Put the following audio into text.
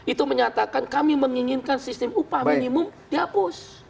itu menyatakan kami menginginkan sistem upah minimum dihapus